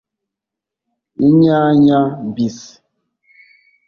Inyanya mbisi